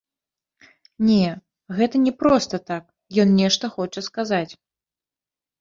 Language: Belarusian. Не, гэта не проста так, ён нешта хоча сказаць.